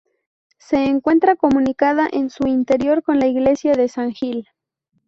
Se encuentra comunicada en su interior con la iglesia de San Gil.